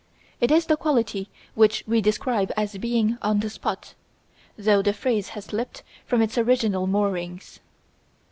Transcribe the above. It is the quality which we describe as being on the spot, though the phrase has slipped from its original moorings.